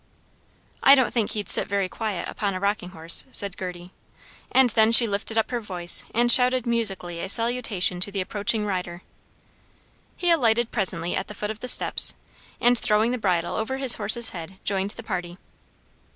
"I don't think he'd sit very quiet upon a rocking horse," said Gerty. And then she lifted up her voice and shouted musically a salutation to the approaching rider. He alighted presently at the foot of the steps, and throwing the bridle over his horse's head, joined the party.